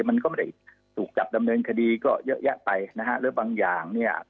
มันก็ไม่ได้ถูกจับดำเนินคดีก็เยอะแยะไปนะฮะแล้วบางอย่างเนี่ย